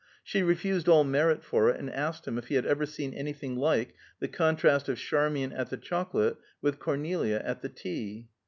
She refused all merit for it and asked him if he had ever seen any thing like the contrast of Charmian at the chocolate with Cornelia at the tea.